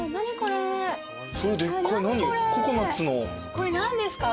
これ何ですか？